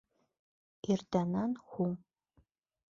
Иртәнән һуң